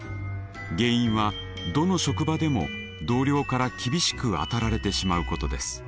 原因はどの職場でも同僚から厳しくあたられてしまうことです。